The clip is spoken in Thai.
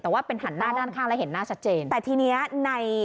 แต่ว่าเป็นหันหน้าด้านข้างแล้วเห็นหน้าชัดเจนแต่ทีเนี้ยใน